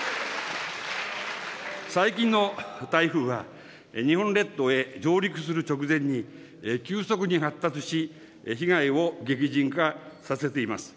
最近の台風は、日本列島へ上陸する直前に、急速に発達し、被害を激甚化させています。